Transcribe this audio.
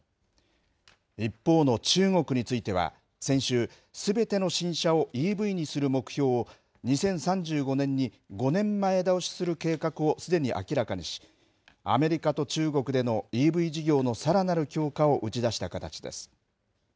一方の中国については、先週、すべての新車をＥＶにする目標を、２０３５年に５年前倒しする計画をすでに明らかにし、アメリカと中国でのＥＶ事業のさらなる強化を打ち出した形です。